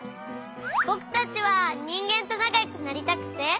ぼくたちはにんげんとなかよくなりたくて。